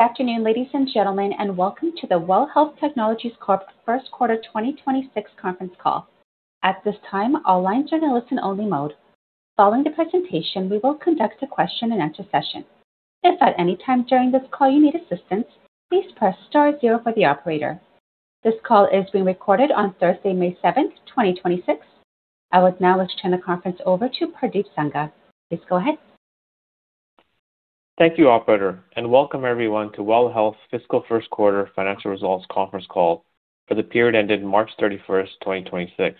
Good afternoon, ladies and gentlemen, and welcome to the WELL Health Technologies Corp First Quarter 2026 Conference Call. At this time, all lines are in a listen-only mode. Following the presentation, we will conduct a question-and-answer session. If at any time during this call you need assistance, please press star 0 for the operator. This call is being recorded on Thursday, May 7, 2026. I would now like to turn the conference over to Pardeep Sangha. Please go ahead. Thank you, operator, and welcome everyone to WELL Health fiscal 1st quarter financial results conference call for the period ended March 31, 2026.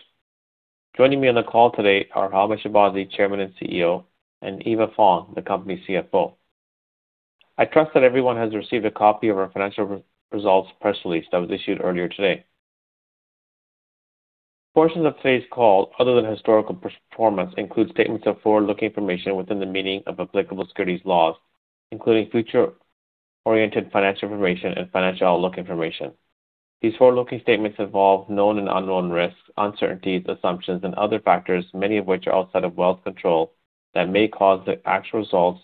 Joining me on the call today are Hamed Shahbazi, Chairman and CEO, and Eva Fong, the company's CFO. I trust that everyone has received a copy of our financial results press release that was issued earlier today. Portions of today's call, other than historical performance, include statements of forward-looking information within the meaning of applicable securities laws, including future-oriented financial information and financial outlook information. These forward-looking statements involve known and unknown risks, uncertainties, assumptions and other factors, many of which are outside of WELL's control, that may cause the actual results,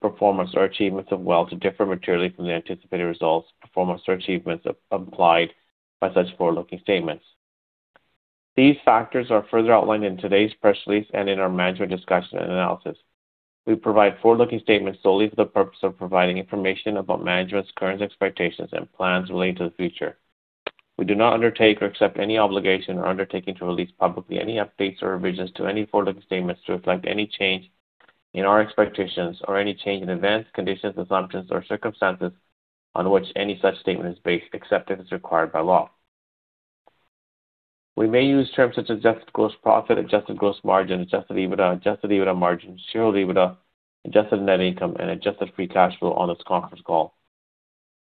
performance or achievements of WELL to differ materially from the anticipated results, performance or achievements implied by such forward-looking statements. These factors are further outlined in today's press release and in our management discussion and analysis. We provide forward-looking statements solely for the purpose of providing information about management's current expectations and plans relating to the future. We do not undertake or accept any obligation or undertaking to release publicly any updates or revisions to any forward-looking statements to reflect any change in our expectations or any change in events, conditions, assumptions or circumstances on which any such statement is based, except as required by law. We may use terms such as Adjusted gross profit, adjusted gross margin, Adjusted EBITDA, adjusted EBITDA margin, share EBITDA, Adjusted net income and adjusted free cash flow on this conference call,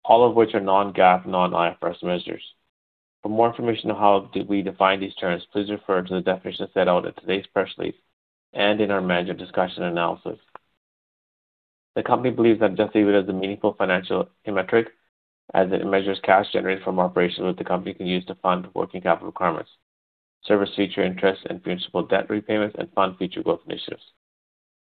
all of which are non-GAAP, non-IFRS measures. For more information on how we define these terms, please refer to the definition set out in today's press release and in our management discussion and analysis. The company believes that Adjusted EBITDA is a meaningful financial metric as it measures cash generated from operations that the company can use to fund working capital requirements, service feature interest and principal debt repayments, and fund future growth initiatives.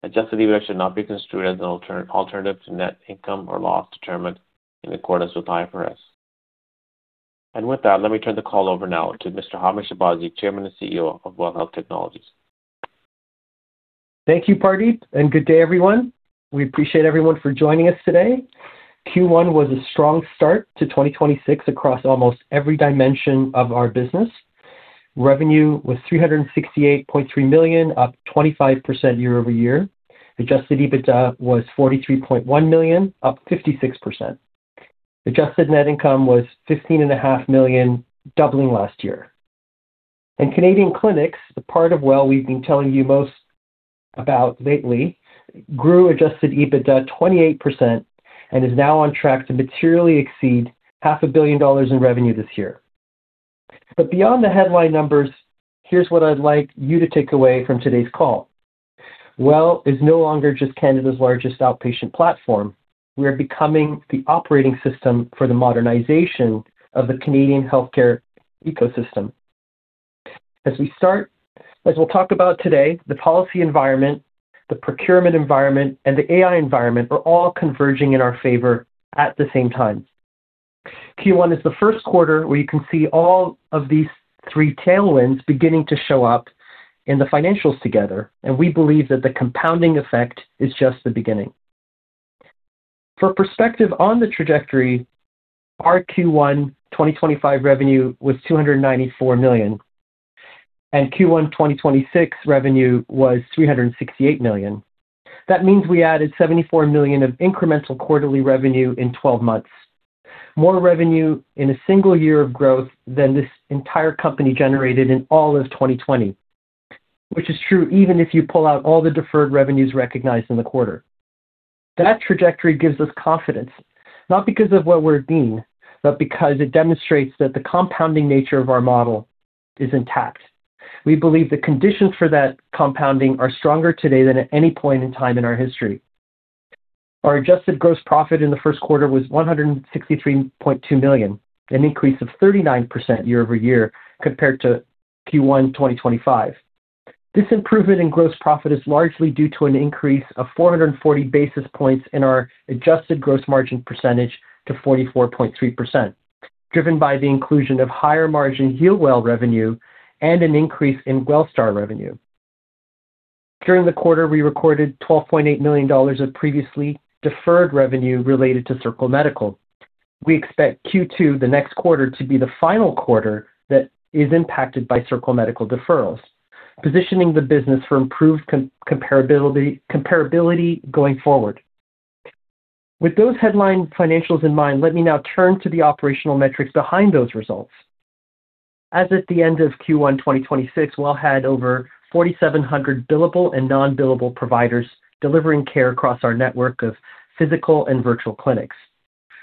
Adjusted EBITDA should not be construed as an alternative to net income or loss determined in accordance with IFRS. With that, let me turn the call over now to Mr. Hamed Shahbazi, Chairman and CEO of WELL Health Technologies. Thank you, Pardeep, and good day, everyone. We appreciate everyone for joining us today. Q1 was a strong start to 2026 across almost every dimension of our business. Revenue was CAD 368.3 million, up 25% year-over-year. Adjusted EBITDA was CAD 43.1 million, up 56%. Adjusted net income was CAD 15.5 million, doubling last year. In Canadian clinics, the part of WELL we've been telling you most about lately, grew adjusted EBITDA 28% and is now on track to materially exceed half a billion dollars in revenue this year. Beyond the headline numbers, here's what I'd like you to take away from today's call. WELL is no longer just Canada's largest outpatient platform. We are becoming the operating system for the modernization of the Canadian healthcare ecosystem. As we'll talk about today, the policy environment, the procurement environment and the AI environment are all converging in our favor at the same time. Q1 is the first quarter where you can see all of these three tailwinds beginning to show up in the financials together, and we believe that the compounding effect is just the beginning. For perspective on the trajectory, our Q1 2025 revenue was 294 million, and Q1 2026 revenue was 368 million. That means we added 74 million of incremental quarterly revenue in 12 months, more revenue in a single year of growth than this entire company generated in all of 2020. Which is true even if you pull out all the deferred revenues recognized in the quarter. That trajectory gives us confidence, not because of what we're seeing, but because it demonstrates that the compounding nature of our model is intact. We believe the conditions for that compounding are stronger today than at any point in time in our history. Our Adjusted gross profit in the first quarter was 163.2 million, an increase of 39% year-over-year compared to Q1 2025. This improvement in gross profit is largely due to an increase of 440 basis points in our adjusted gross margin percentage to 44.3%, driven by the inclusion of higher margin HEALWELL revenue and an increase in WELLSTAR revenue. During the quarter, we recorded 12.8 million dollars of previously deferred revenue related to Circle Medical. We expect Q2, the next quarter, to be the final quarter that is impacted by Circle Medical deferrals, positioning the business for improved comparability going forward. With those headline financials in mind, let me now turn to the operational metrics behind those results. As at the end of Q1 2026, WELL had over 4,700 billable and non-billable providers delivering care across our network of physical and virtual clinics.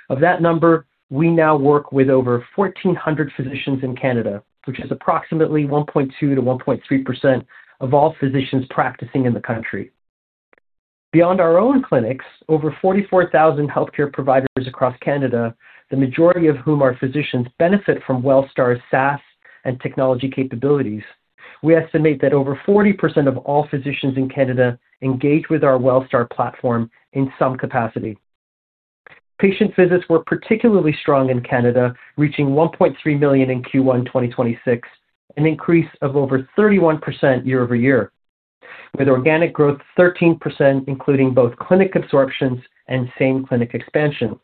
Of that number, we now work with over 1,400 physicians in Canada, which is approximately 1.2%-1.3% of all physicians practicing in the country. Beyond our own clinics, over 44,000 healthcare providers across Canada, the majority of whom are physicians, benefit from WELLSTAR's SaaS and technology capabilities. We estimate that over 40% of all physicians in Canada engage with our WELLSTAR platform in some capacity. Patient visits were particularly strong in Canada, reaching 1.3 million in Q1 2026, an increase of over 31% year-over-year, with organic growth 13%, including both clinic absorptions and same-clinic expansion.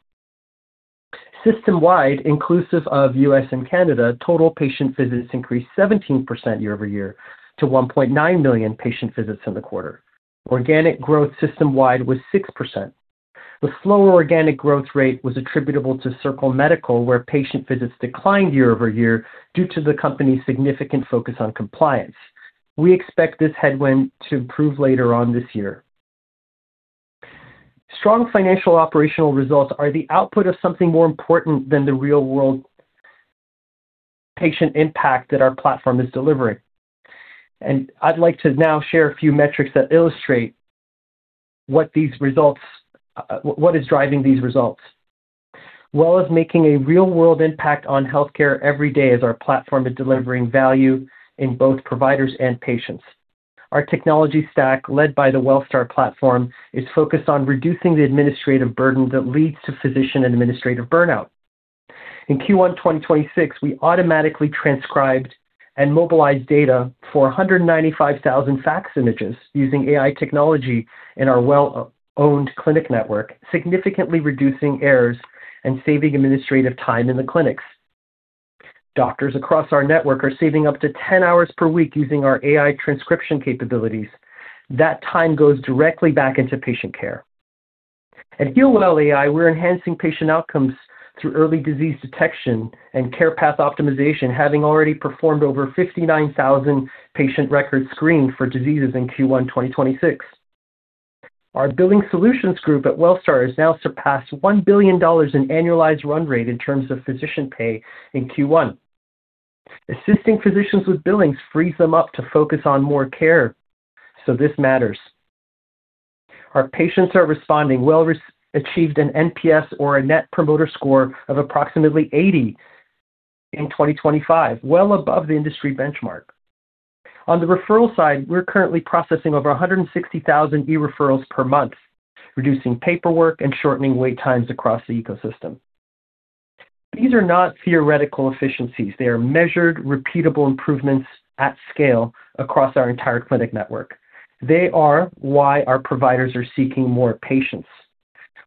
System-wide, inclusive of U.S. and Canada, total patient visits increased 17% year-over-year to 1.9 million patient visits in the quarter. Organic growth system-wide was 6%. The slower organic growth rate was attributable to Circle Medical, where patient visits declined year-over-year due to the company's significant focus on compliance. We expect this headwind to improve later on this year. Strong financial operational results are the output of something more important than the real-world patient impact that our platform is delivering. I'd like to now share a few metrics that illustrate what these results, what is driving these results. WELL is making a real-world impact on healthcare every day as our platform is delivering value in both providers and patients. Our technology stack, led by the WELLSTAR platform, is focused on reducing the administrative burden that leads to physician administrative burnout. In Q1 2026, we automatically transcribed and mobilized data for 195,000 fax images using AI technology in our WELL-owned clinic network, significantly reducing errors and saving administrative time in the clinics. Doctors across our network are saving up to 10 hours per week using our AI transcription capabilities. That time goes directly back into patient care. At HEALWELL AI, we're enhancing patient outcomes through early disease detection and care path optimization, having already performed over 59,000 patient records screened for diseases in Q1 2026. Our billing solutions group at WELLSTAR has now surpassed 1 billion dollars in annualized run rate in terms of physician pay in Q1. Assisting physicians with billings frees them up to focus on more care, this matters. Our patients are responding. WELL Research achieved an NPS or a net promoter score of approximately 80 in 2025, well above the industry benchmark. On the referral side, we're currently processing over 160,000 e-referrals per month, reducing paperwork and shortening wait times across the ecosystem. These are not theoretical efficiencies. They are measured, repeatable improvements at scale across our entire clinic network. They are why our providers are seeking more patients.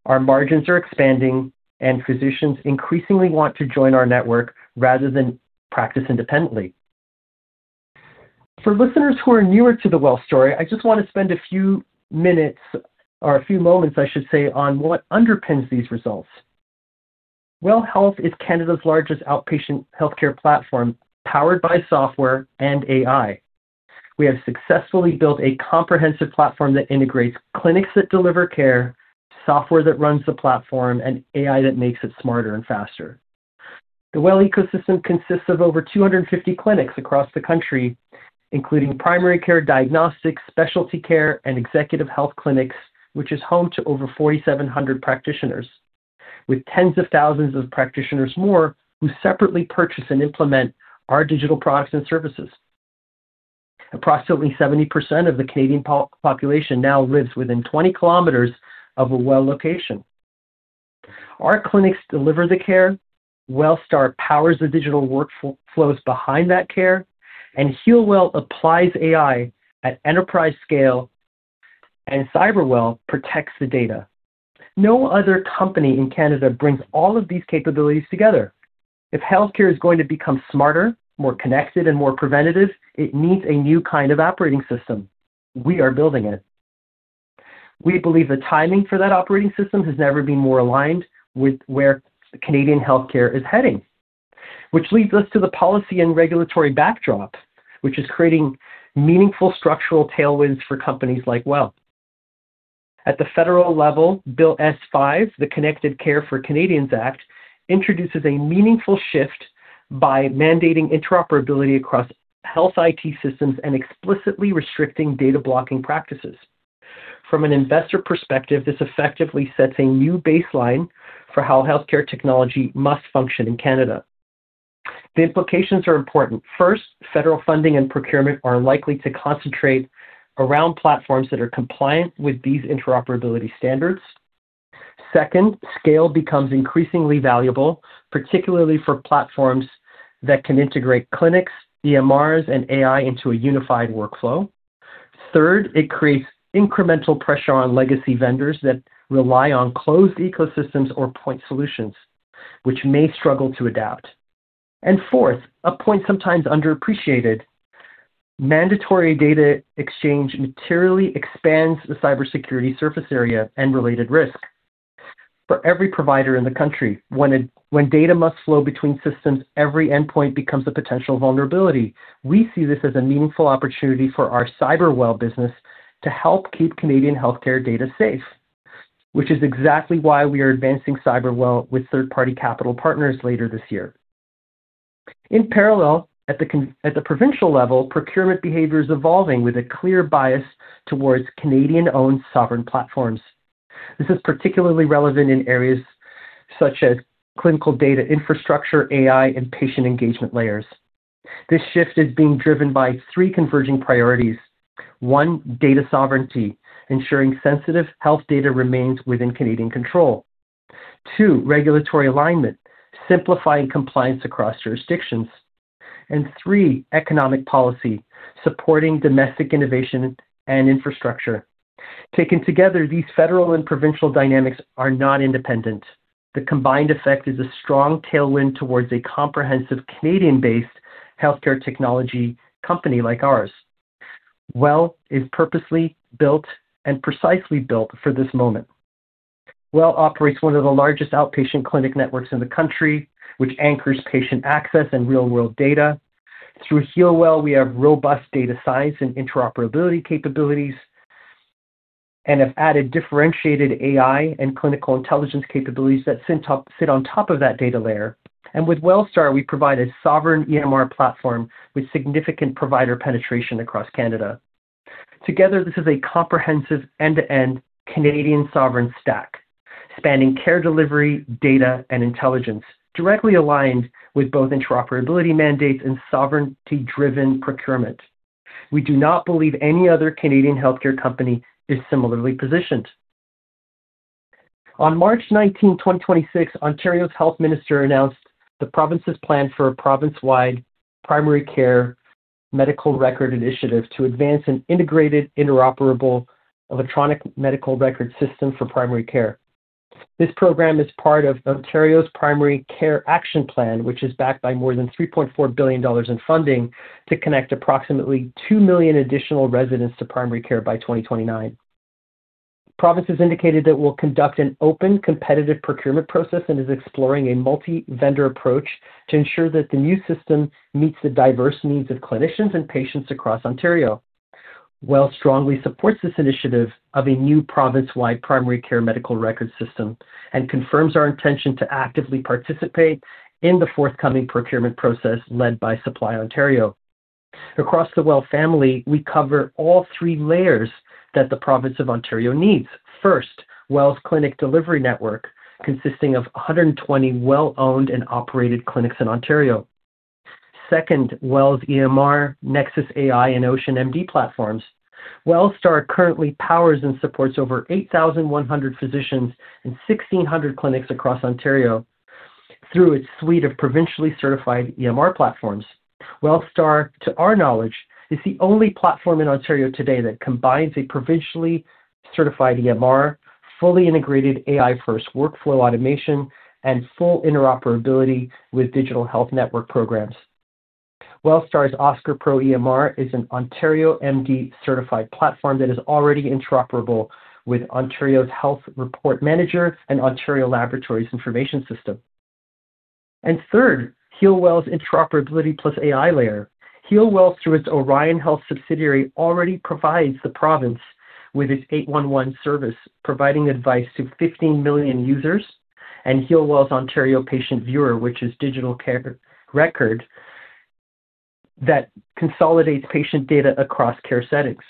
Our margins are expanding, physicians increasingly want to join our network rather than practice independently. For listeners who are newer to the WELL Health story, I just want to spend a few minutes or a few moments, I should say, on what underpins these results. WELL Health is Canada's largest outpatient healthcare platform, powered by software and AI. We have successfully built a comprehensive platform that integrates clinics that deliver care, software that runs the platform, and AI that makes it smarter and faster. The WELL ecosystem consists of over 250 clinics across the country, including primary care, diagnostics, specialty care, and executive health clinics, which is home to over 4,700 practitioners, with tens of thousands of practitioners more who separately purchase and implement our digital products and services. Approximately 70% of the Canadian population now lives within 20 kilometers of a WELL location. Our clinics deliver the care, WELLSTAR powers the digital workflows behind that care. HEALWELL AI applies AI at enterprise scale. Cyberwell protects the data. No other company in Canada brings all of these capabilities together. If healthcare is going to become smarter, more connected, and more preventative, it needs a new kind of operating system. We are building it. We believe the timing for that operating system has never been more aligned with where Canadian healthcare is heading. This leads us to the policy and regulatory backdrop, which is creating meaningful structural tailwinds for companies like WELL. At the federal level, Bill S-5, the Connected Care for Canadians Act, introduces a meaningful shift by mandating interoperability across health IT systems and explicitly restricting data blocking practices. From an investor perspective, this effectively sets a new baseline for how healthcare technology must function in Canada. The implications are important. First, federal funding and procurement are likely to concentrate around platforms that are compliant with these interoperability standards. Second, scale becomes increasingly valuable, particularly for platforms that can integrate clinics, EMRs, and AI into a unified workflow. Third, it creates incremental pressure on legacy vendors that rely on closed ecosystems or point solutions which may struggle to adapt. Fourth, a point sometimes underappreciated, mandatory data exchange materially expands the cybersecurity surface area and related risk for every provider in the country. When data must flow between systems, every endpoint becomes a potential vulnerability. We see this as a meaningful opportunity for our Cyberwell business to help keep Canadian healthcare data safe, which is exactly why we are advancing Cyberwell with third-party capital partners later this year. In parallel, at the provincial level, procurement behavior is evolving with a clear bias towards Canadian-owned sovereign platforms. This is particularly relevant in areas such as clinical data infrastructure, AI, and patient engagement layers. This shift is being driven by three converging priorities. One, data sovereignty, ensuring sensitive health data remains within Canadian control. Two, regulatory alignment, simplifying compliance across jurisdictions. Three, economic policy, supporting domestic innovation and infrastructure. Taken together, these federal and provincial dynamics are not independent. The combined effect is a strong tailwind towards a comprehensive Canadian-based healthcare technology company like ours. WELL is purposely built and precisely built for this moment. WELL operates one of the largest outpatient clinic networks in the country, which anchors patient access and real-world data. Through HEALWELL AI, we have robust data science and interoperability capabilities and have added differentiated AI and clinical intelligence capabilities that sit on top of that data layer. With WELLSTAR, we provide a sovereign EMR platform with significant provider penetration across Canada. Together, this is a comprehensive end-to-end Canadian sovereign stack spanning care delivery, data, and intelligence directly aligned with both interoperability mandates and sovereignty-driven procurement. We do not believe any other Canadian healthcare company is similarly positioned. On March 19, 2026, Ontario's Health Minister announced the province's plan for a province-wide primary care medical record initiative to advance an integrated, interoperable electronic medical record system for primary care. This program is part of Ontario's Primary Care Action Plan, which is backed by more than 3.4 billion dollars in funding to connect approximately 2 million additional residents to primary care by 2029. Province has indicated that it will conduct an open competitive procurement process and is exploring a multi-vendor approach to ensure that the new system meets the diverse needs of clinicians and patients across Ontario. WELL strongly supports this initiative of a new province-wide primary care medical record system and confirms our intention to actively participate in the forthcoming procurement process led by Supply Ontario. Across the WELL family, we cover all three layers that the province of Ontario needs. First, WELL's clinic delivery network, consisting of 120 WELL-owned and operated clinics in Ontario. Second, WELL's EMR, Nexus AI, and OceanMD platforms. WELLSTAR currently powers and supports over 8,100 physicians and 1,600 clinics across Ontario through its suite of provincially certified EMR platforms. WELLSTAR, to our knowledge, is the only platform in Ontario today that combines a provincially certified EMR, fully integrated AI-first workflow automation, and full interoperability with digital health network programs. WELLSTAR's OSCAR Pro EMR is an OntarioMD-certified platform that is already interoperable with Ontario's Health Report Manager and Ontario Laboratories Information System. Third, HEALWELL AI's interoperability plus AI layer. HEALWELL AI, through its Orion Health subsidiary, already provides the province with its 811 service, providing advice to 15 million users, and HEALWELL AI's Ontario Patient Viewer, which is digital care record that consolidates patient data across care settings.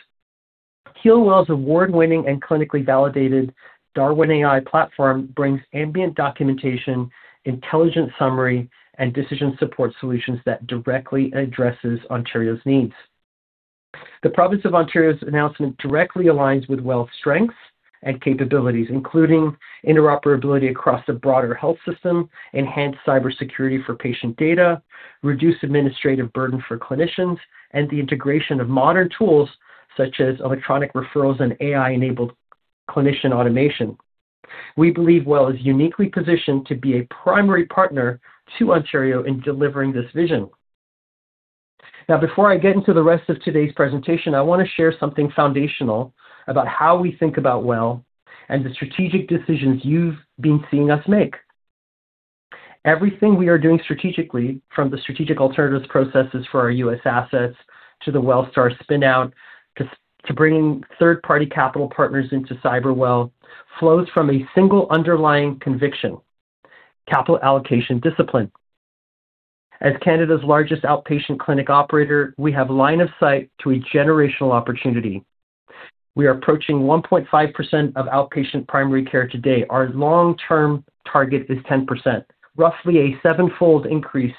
HEALWELL AI's award-winning and clinically validated Darwin AI platform brings ambient documentation, intelligent summary, and decision support solutions that directly addresses Ontario's needs. The province of Ontario's announcement directly aligns with WELL's strengths and capabilities, including interoperability across the broader health system, enhanced cybersecurity for patient data, reduced administrative burden for clinicians, and the integration of modern tools such as electronic referrals and AI-enabled clinician automation. We believe WELL is uniquely positioned to be a primary partner to Ontario in delivering this vision. Before I get into the rest of today's presentation, I want to share something foundational about how we think about WELL and the strategic decisions you've been seeing us make. Everything we are doing strategically, from the strategic alternatives processes for our U.S. assets to the WELLSTAR spin-out, to bringing third-party capital partners into Cyberwell, flows from a single underlying conviction: capital allocation discipline. As Canada's largest outpatient clinic operator, we have line of sight to a generational opportunity. We are approaching 1.5% of outpatient primary care today. Our long-term target is 10%, roughly a seven-fold increase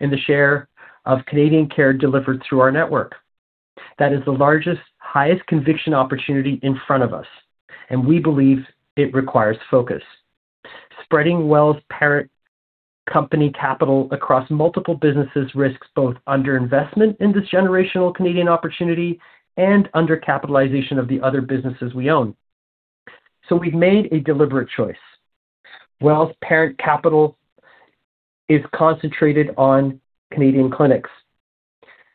in the share of Canadian care delivered through our network. That is the largest, highest conviction opportunity in front of us, we believe it requires focus. Spreading WELL's parent company capital across multiple businesses risks both underinvestment in this generational Canadian opportunity and undercapitalization of the other businesses we own. We've made a deliberate choice. WELL's parent capital is concentrated on Canadian clinics,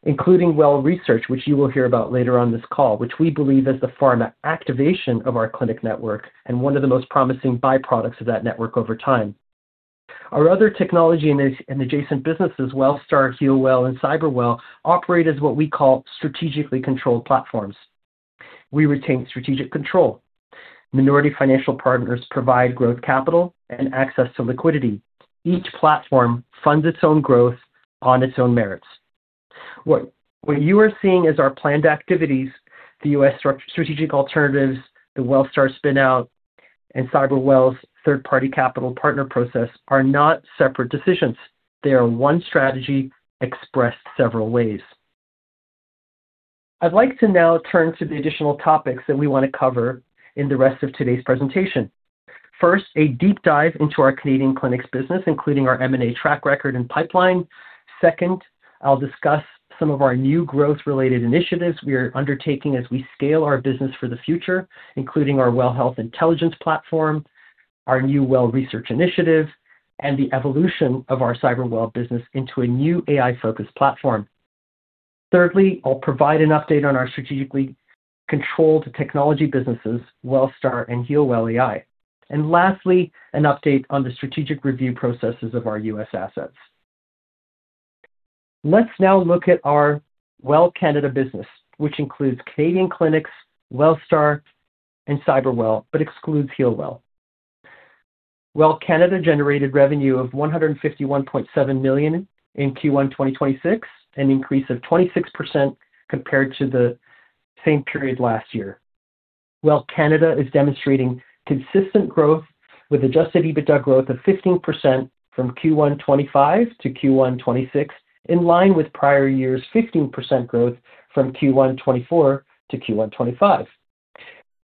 including WELL Research, which you will hear about later on this call, which we believe is the pharma activation of our clinic network and one of the most promising byproducts of that network over time. Our other technology and adjacent businesses, WELLSTAR, HEALWELL, and Cyberwell, operate as what we call strategically controlled platforms. We retain strategic control. Minority financial partners provide growth capital and access to liquidity. Each platform funds its own growth on its own merits. What you are seeing is our planned activities, the U.S. Strategic Alternatives, the WELLSTAR spin-out, and Cyberwell's third-party capital partner process are not separate decisions. They are one strategy expressed several ways. I'd like to now turn to the additional topics that we want to cover in the rest of today's presentation. First, a deep dive into our Canadian clinics business, including our M&A track record and pipeline. Second, I'll discuss some of our new growth-related initiatives we are undertaking as we scale our business for the future, including our WELL Health Intelligence Platform, our new WELL Research initiative, and the evolution of our Cyberwell business into a new AI-focused platform. Thirdly, I'll provide an update on our strategically controlled technology businesses, WELLSTAR and HEALWELL AI. Lastly, an update on the strategic review processes of our U.S. assets. Let's now look at our WELL Canada business, which includes Canadian clinics, WELLSTAR and Cyberwell, but excludes HEALWELL. WELL Canada generated revenue of 151.7 million in Q1 2026, an increase of 26% compared to the same period last year. WELL Canada is demonstrating consistent growth with Adjusted EBITDA growth of 15% from Q1 2025 to Q1 2026, in line with prior year's 15% growth from Q1 2024 to Q1 2025.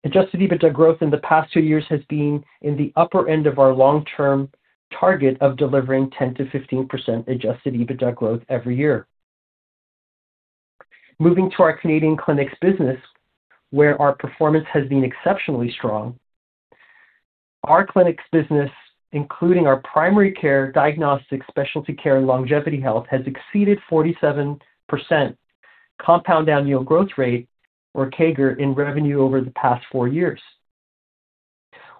Adjusted EBITDA growth in the past two years has been in the upper end of our long-term target of delivering 10%-15% Adjusted EBITDA growth every year. Moving to our Canadian clinics business, where our performance has been exceptionally strong. Our clinics business, including our primary care, diagnostic specialty care, and longevity health, has exceeded 47% compound annual growth rate, or CAGR, in revenue over the past four years.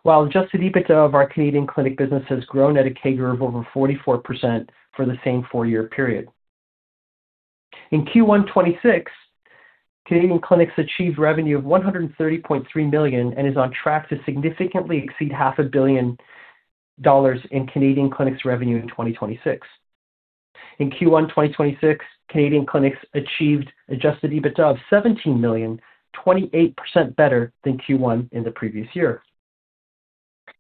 While Adjusted EBITDA of our Canadian clinic business has grown at a CAGR of over 44% for the same four-year period. In Q1 2026, Canadian clinics achieved revenue of 130.3 million and is on track to significantly exceed half a billion dollars in Canadian clinics revenue in 2026. In Q1 2026, Canadian clinics achieved Adjusted EBITDA of 17 million, 28% better than Q1 in the previous year.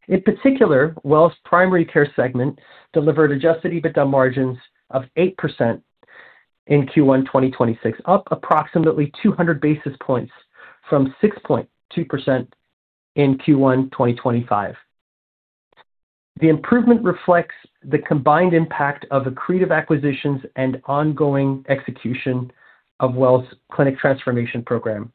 In particular, WELL's primary care segment delivered Adjusted EBITDA margins of 8% in Q1 2026, up approximately 200 basis points from 6.2% in Q1 2025. The improvement reflects the combined impact of accretive acquisitions and ongoing execution of WELL's clinic transformation program.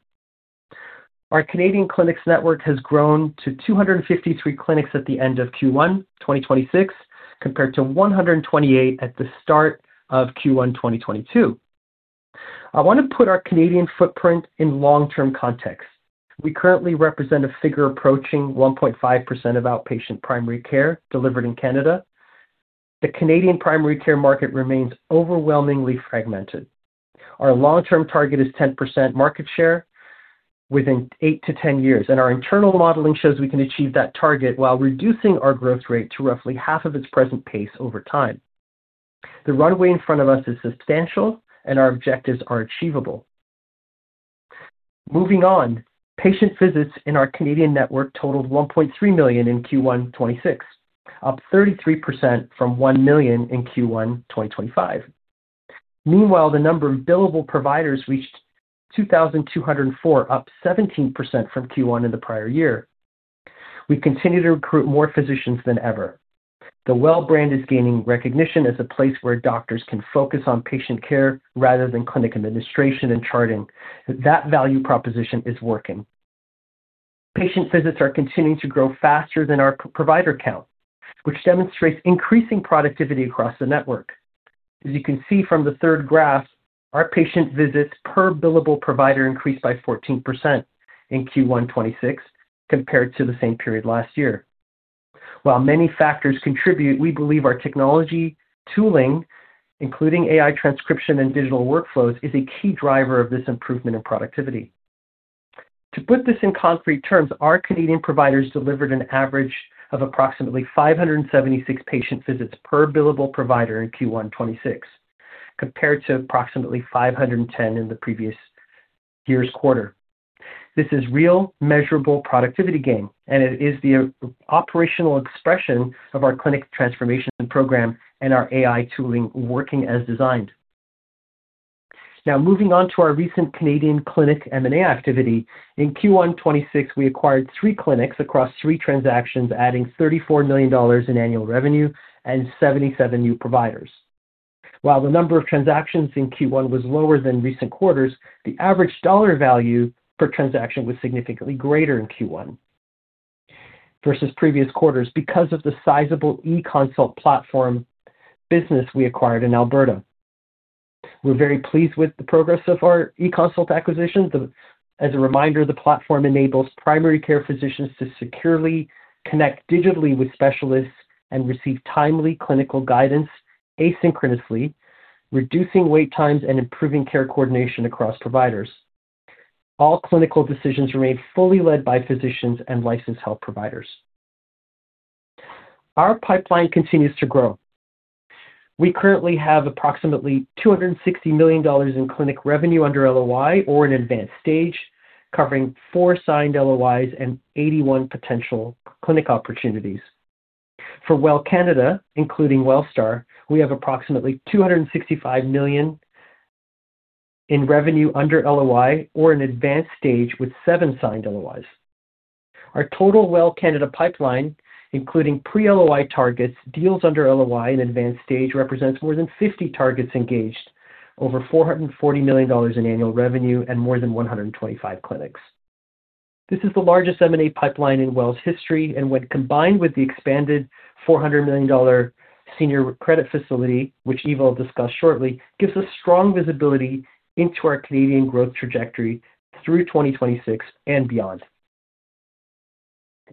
Our Canadian clinics network has grown to 253 clinics at the end of Q1 2026, compared to 128 at the start of Q1 2022. I want to put our Canadian footprint in long-term context. We currently represent a figure approaching 1.5% of outpatient primary care delivered in Canada. The Canadian primary care market remains overwhelmingly fragmented. Our long-term target is 10% market share within 8-10 years, and our internal modeling shows we can achieve that target while reducing our growth rate to roughly half of its present pace over time. The runway in front of us is substantial, and our objectives are achievable. Moving on, patient visits in our Canadian network totaled 1.3 million in Q1 2026, up 33% from 1 million in Q1 2025. Meanwhile, the number of billable providers reached 2,204, up 17 from Q1 in the prior year. We continue to recruit more physicians than ever. The WELL brand is gaining recognition as a place where doctors can focus on patient care rather than clinic administration and charting. That value proposition is working. Patient visits are continuing to grow faster than our provider count, which demonstrates increasing productivity across the network. As you can see from the third graph, our patient visits per billable provider increased by 14% in Q1 2026 compared to the same period last year. While many factors contribute, we believe our technology tooling, including AI transcription and digital workflows, is a key driver of this improvement in productivity. To put this in concrete terms, our Canadian providers delivered an average of approximately 576 patient visits per billable provider in Q1 2026, compared to approximately 510 in the previous year's quarter. This is real, measurable productivity gain. It is the operational expression of our clinic transformation program and our AI tooling working as designed. Moving on to our recent Canadian clinic M&A activity. In Q1 2026, we acquired three clinics across three transactions, adding 34 million dollars in annual revenue and 77 new providers. While the number of transactions in Q1 was lower than recent quarters, the average dollar value per transaction was significantly greater in Q1 versus previous quarters because of the sizable eConsult platform business we acquired in Alberta. We're very pleased with the progress of our eConsult acquisition. As a reminder, the platform enables primary care physicians to securely connect digitally with specialists and receive timely clinical guidance asynchronously, reducing wait times and improving care coordination across providers. All clinical decisions remain fully led by physicians and licensed health providers. Our pipeline continues to grow. We currently have approximately 260 million dollars in clinic revenue under LOI or in advanced stage, covering four signed LOIs and 81 potential clinic opportunities. For WELL Canada, including WELLSTAR, we have approximately 265 million in revenue under LOI or in advanced stage with seven signed LOIs. Our total WELL Canada pipeline, including pre-LOI targets, deals under LOI, and advanced stage, represents more than 50 targets engaged, over 440 million dollars in annual revenue, and more than 125 clinics. This is the largest M&A pipeline in WELL's history, and when combined with the expanded 400 million dollar senior credit facility, which Eva Fong will discuss shortly, gives us strong visibility into our Canadian growth trajectory through 2026 and beyond.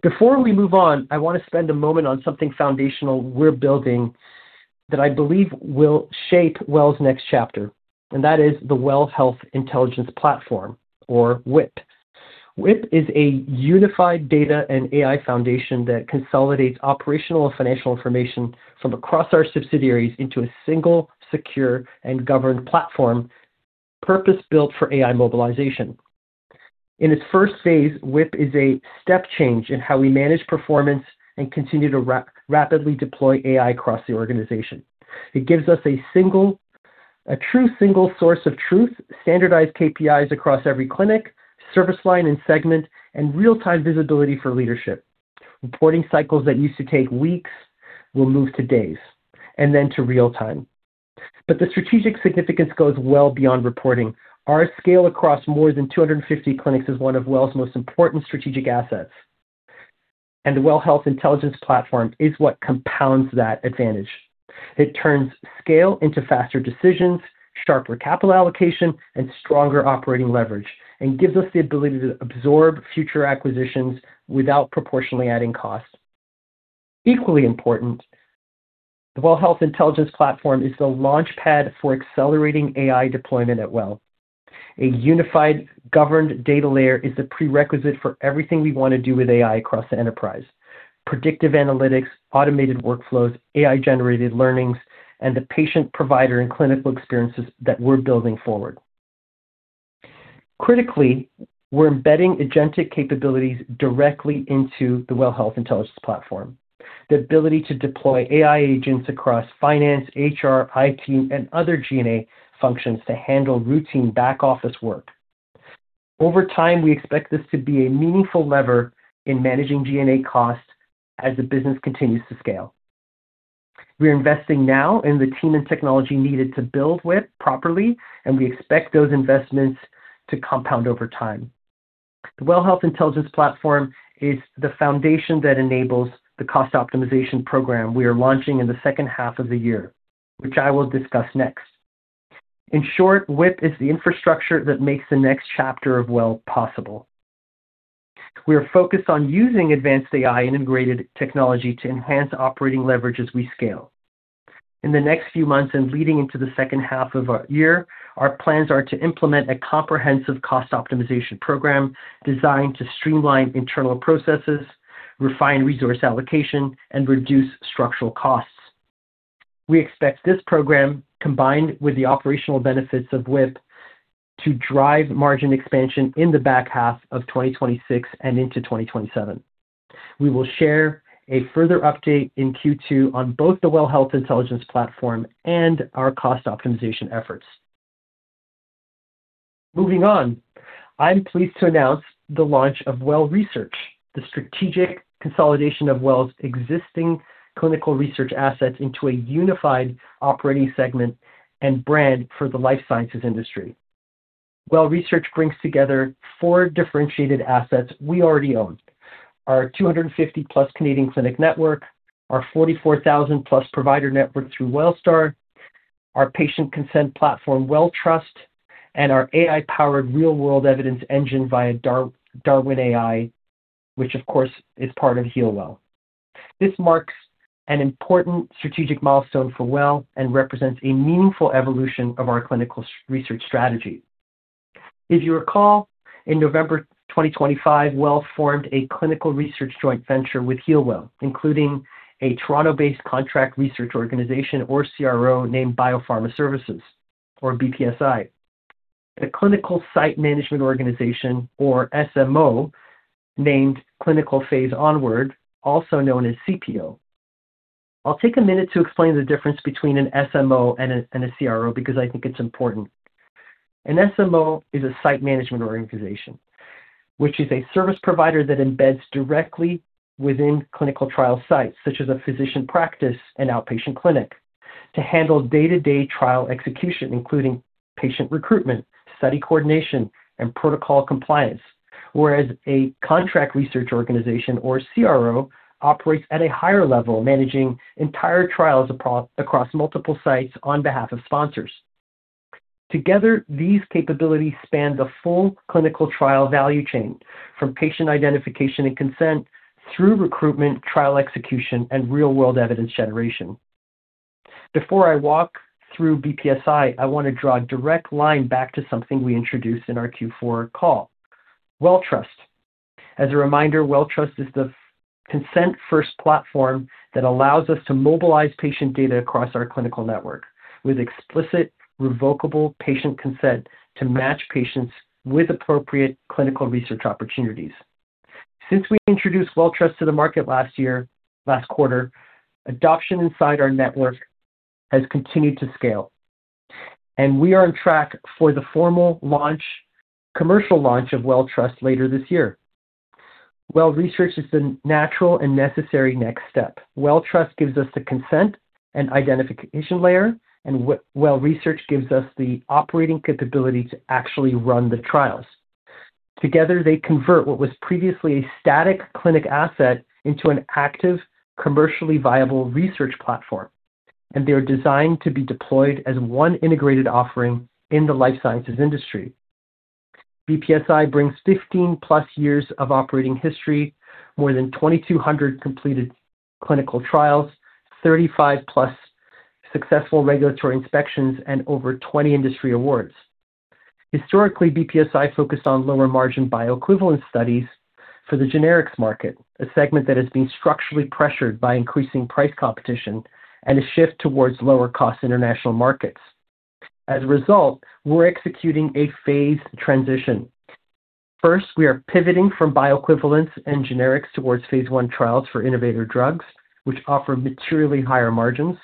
Before we move on, I want to spend a moment on something foundational we're building that I believe will shape WELL's next chapter, and that is the WELL Health Intelligence Platform or WHIP. WHIP is a unified data and AI foundation that consolidates operational and financial information from across our subsidiaries into a single secure and governed platform purpose-built for AI mobilization. In its first phase, WHIP is a step change in how we manage performance and continue to rapidly deploy AI across the organization. It gives us a true single source of truth, standardized KPIs across every clinic, service line, and segment, and real-time visibility for leadership. Reporting cycles that used to take weeks will move to days and then to real time. The strategic significance goes well beyond reporting. Our scale across more than 250 clinics is one of WELL's most important strategic assets, and the WELL Health Intelligence Platform is what compounds that advantage. It turns scale into faster decisions, sharper capital allocation, and stronger operating leverage, and gives us the ability to absorb future acquisitions without proportionally adding cost. Equally important, the WELL Health Intelligence Platform is the launchpad for accelerating AI deployment at WELL. A unified governed data layer is a prerequisite for everything we want to do with AI across the enterprise: predictive analytics, automated workflows, AI-generated learnings, and the patient provider and clinical experiences that we're building forward. Critically, we're embedding agentic capabilities directly into the WELL Health Intelligence Platform. The ability to deploy AI agents across finance, HR, IT, and other G&A functions to handle routine back-office work. Over time, we expect this to be a meaningful lever in managing G&A costs as the business continues to scale. We are investing now in the team and technology needed to build with properly, and we expect those investments to compound over time. The WELL Health Intelligence Platform is the foundation that enables the cost optimization program we are launching in the second half of the year, which I will discuss next. In short, WHIP is the infrastructure that makes the next chapter of WELL possible. We are focused on using advanced AI and integrated technology to enhance operating leverage as we scale. In the next few months and leading into the second half of our year, our plans are to implement a comprehensive cost optimization program designed to streamline internal processes, refine resource allocation, and reduce structural costs. We expect this program, combined with the operational benefits of WHIP, to drive margin expansion in the back half of 2026 and into 2027. We will share a further update in Q2 on both the WELL Health Intelligence Platform and our cost optimization efforts. Moving on, I'm pleased to announce the launch of WELL Research, the strategic consolidation of WELL's existing clinical research assets into a unified operating segment and brand for the life sciences industry. WELL Research brings together four differentiated assets we already own: our 250-plus Canadian clinic network, our 44,000-plus provider network through WELLSTAR, our patient consent platform, WELLTRUST, and our AI-powered real-world evidence engine via Darwin AI, which of course is part of HEALWELL. This marks an important strategic milestone for WELL and represents a meaningful evolution of our clinical research strategy. If you recall, in November 2025, WELL formed a clinical research joint venture with HEALWELL, including a Toronto-based contract research organization or CRO named BioPharma Services or BPSI, a clinical site management organization or SMO named Clinical Phase Onward, also known as CPO. I'll take a minute to explain the difference between an SMO and a CRO because I think it's important. An SMO is a site management organization, which is a service provider that embeds directly within clinical trial sites, such as a physician practice and outpatient clinic, to handle day-to-day trial execution, including patient recruitment, study coordination, and protocol compliance. Whereas a contract research organization or CRO operates at a higher level, managing entire trials across multiple sites on behalf of sponsors. Together, these capabilities span the full clinical trial value chain from patient identification and consent through recruitment, trial execution, and real-world evidence generation. Before I walk through BPSI, I want to draw a direct line back to something we introduced in our Q4 call, WELLTRUST. As a reminder, WELLTRUST is the consent-first platform that allows us to mobilize patient data across our clinical network with explicit, revocable patient consent to match patients with appropriate clinical research opportunities. Since we introduced WELLTRUST to the market last year, last quarter, adoption inside our network has continued to scale. We are on track for the commercial launch of WELLTRUST later this year. WELL Research is the natural and necessary next step. WELLTRUST gives us the consent and identification layer, WELL Research gives us the operating capability to actually run the trials. Together, they convert what was previously a static clinic asset into an active, commercially viable research platform, and they are designed to be deployed as one integrated offering in the life sciences industry. BPSI brings 15-plus years of operating history, more than 2,200 completed clinical trials, 35-plus successful regulatory inspections, and over 20 industry awards. Historically, BPSI focused on lower margin bioequivalence studies for the generics market, a segment that has been structurally pressured by increasing price competition and a shift towards lower cost international markets. We're executing a phased transition. First, we are pivoting from bioequivalence and generics towards phase I trials for innovator drugs, which offer materially higher margins.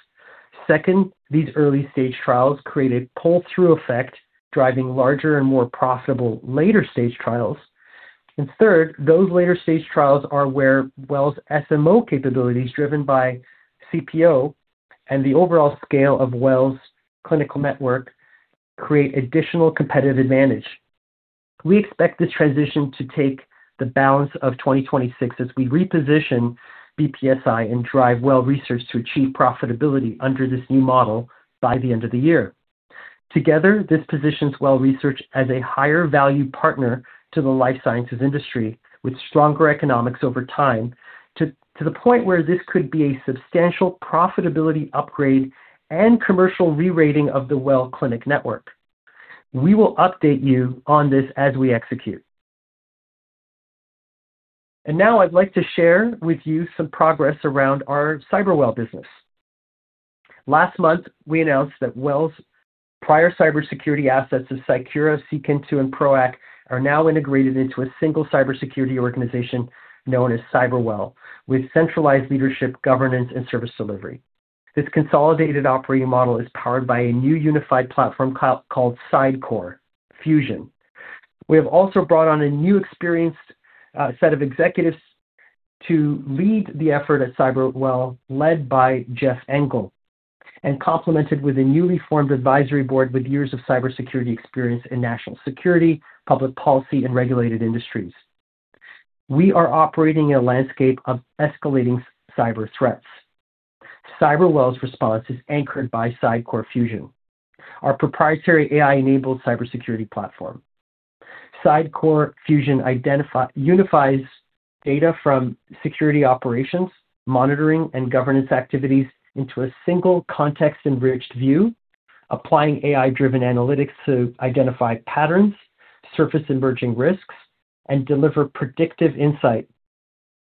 Second, these early-stage trials create a pull-through effect, driving larger and more profitable later-stage trials. Third, those later-stage trials are where WELL's SMO capabilities driven by CPO and the overall scale of WELL's clinical network create additional competitive advantage. We expect this transition to take the balance of 2026 as we reposition BPSI and drive WELL Research to achieve profitability under this new model by the end of the year. Together, this positions WELL Research as a higher value partner to the life sciences industry with stronger economics over time to the point where this could be a substantial profitability upgrade and commercial re-rating of the WELL Clinic network. We will update you on this as we execute. Now I'd like to share with you some progress around our Cyberwell business. Last month, we announced that WELL's prior cybersecurity assets of Cycura, Seekintoo, and Proack are now integrated into a single cybersecurity organization known as Cyberwell with centralized leadership, governance, and service delivery. This consolidated operating model is powered by a new unified platform called CydeCORE Fusion. We have also brought on a new experienced set of executives to lead the effort at Cyberwell, led by Jeffrey Engle and complemented with a newly formed advisory board with years of cybersecurity experience in national security, public policy, and regulated industries. We are operating in a landscape of escalating cyber threats. Cyberwell's response is anchored by CydeCORE Fusion, our proprietary AI-enabled cybersecurity platform. CydeCORE Fusion unifies data from security operations, monitoring, and governance activities into a single context-enriched view, applying AI-driven analytics to identify patterns, surface emerging risks, and deliver predictive insight.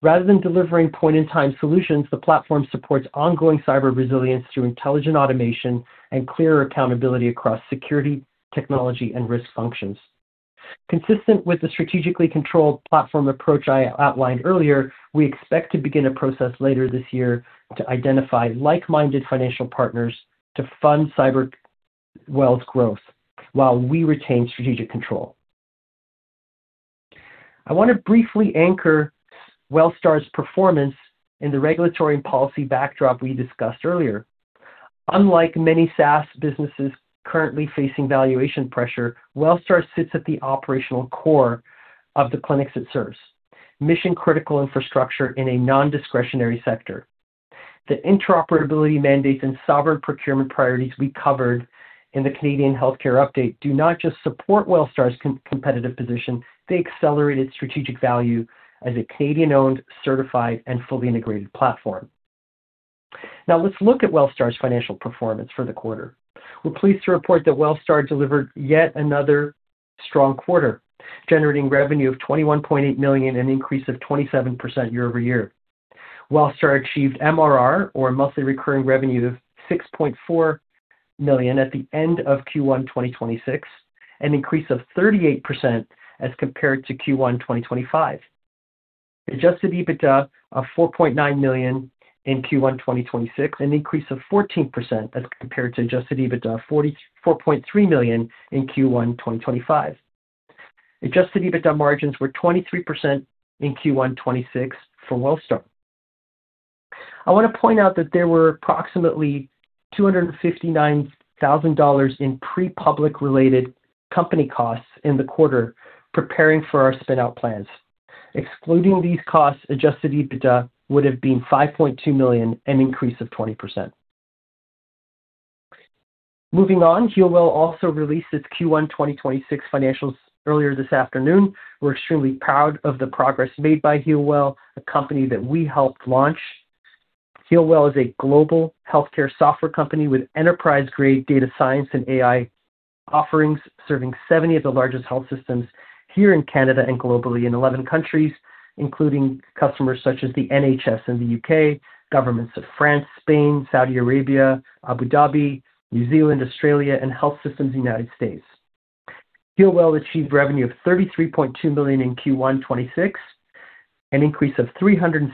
Rather than delivering point-in-time solutions, the platform supports ongoing cyber resilience through intelligent automation and clearer accountability across security, technology, and risk functions. Consistent with the strategically controlled platform approach I outlined earlier, we expect to begin a process later this year to identify like-minded financial partners to fund Cyberwell's growth while we retain strategic control. I want to briefly anchor WELLSTAR's performance in the regulatory and policy backdrop we discussed earlier. Unlike many SaaS businesses currently facing valuation pressure, WELLSTAR sits at the operational core of the clinics it serves, mission-critical infrastructure in a non-discretionary sector. The interoperability mandates and sovereign procurement priorities we covered in the Canadian healthcare update do not just support WELLSTAR's competitive position, they accelerate its strategic value as a Canadian-owned, certified, and fully integrated platform. Let's look at WELLSTAR's financial performance for the quarter. We're pleased to report that WELLSTAR delivered yet another strong quarter, generating revenue of 21.8 million, an increase of 27% year-over-year. WELLSTAR achieved MRR, or monthly recurring revenue, of 6.4 million at the end of Q1 2026, an increase of 38% as compared to Q1 2025. Adjusted EBITDA of 4.9 million in Q1 2026, an increase of 14% as compared to Adjusted EBITDA 4.3 million in Q1 2025. Adjusted EBITDA margins were 23% in Q1 2026 for WELLSTAR. I want to point out that there were approximately 259,000 dollars in pre-public related company costs in the quarter preparing for our spin-out plans. Excluding these costs, Adjusted EBITDA would have been 5.2 million, an increase of 20%. HEALWELL also released its Q1 2026 financials earlier this afternoon. We're extremely proud of the progress made by HEALWELL, a company that we helped launch. HEALWELL is a global healthcare software company with enterprise-grade data science and AI offerings, serving 70 of the largest health systems here in Canada and globally in 11 countries, including customers such as the NHS in the U.K., governments of France, Spain, Saudi Arabia, Abu Dhabi, New Zealand, Australia, and health systems in the U.S. HEALWELL achieved revenue of 33.2 million in Q1 2026, an increase of 316%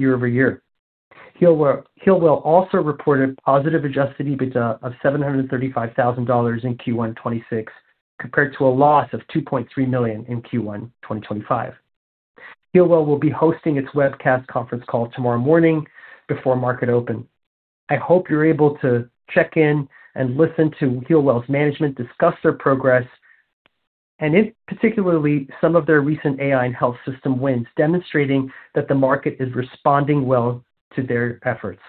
year-over-year. HEALWELL also reported positive adjusted EBITDA of 735,000 dollars in Q1 2026 compared to a loss of 2.3 million in Q1 2025. HEALWELL will be hosting its webcast conference call tomorrow morning before market open. I hope you're able to check in and listen to HEALWELL AI's management discuss their progress and in particularly some of their recent AI and health system wins, demonstrating that the market is responding well to their efforts.